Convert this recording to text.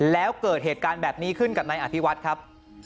แล้วเกิดเหตุการณ์แบบนี้ขึ้นกับนายอภิวัฒน์ครับ